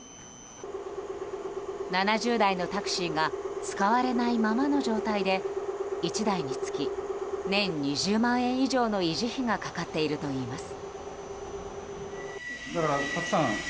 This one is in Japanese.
７０台のタクシーが使われないままの状態で１台につき年２０万円以上の維持費がかかっているといいます。